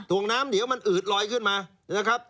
ตรงน้ำเดี๋ยวมันอืดลอยขึ้นมา